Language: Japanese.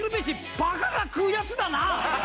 バカが食うやつだな！